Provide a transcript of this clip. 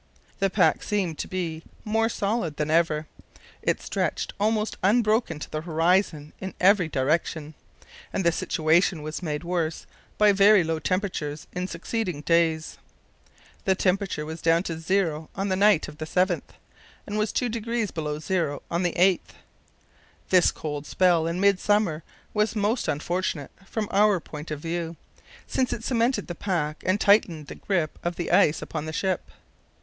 The pack seemed to be more solid than ever. It stretched almost unbroken to the horizon in every direction, and the situation was made worse by very low temperatures in succeeding days. The temperature was down to zero on the night of the 7th and was two degrees below zero on the 8th. This cold spell in midsummer was most unfortunate from our point of view, since it cemented the pack and tightened the grip of the ice upon the ship.